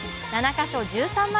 か所１３万